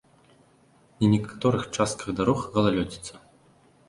Не некаторых частках дарог галалёдзіца.